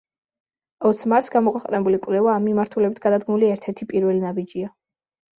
ოც მარტს გამოქვეყნებული კვლევა ამ მიმართულებით გადადგმული ერთ-ერთი პირველი ნაბიჯია.